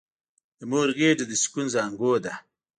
د مور غېږه د سکون زانګو ده!